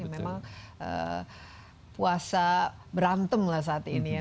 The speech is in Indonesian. memang puasa berantem lah saat ini ya